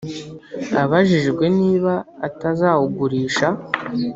Abajijwe niba atazawugurisha